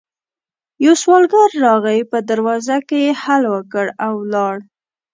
يو سوالګر راغی، په دروازه کې يې هل وکړ او ولاړ.